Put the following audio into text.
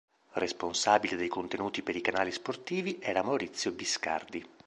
Responsabile dei contenuti per i canali sportivi era Maurizio Biscardi.